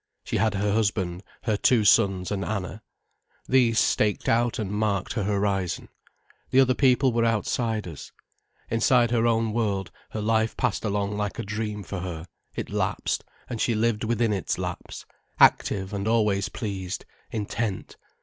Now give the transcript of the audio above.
She had her husband, her two sons and Anna. These staked out and marked her horizon. The other people were outsiders. Inside her own world, her life passed along like a dream for her, it lapsed, and she lived within its lapse, active and always pleased, intent.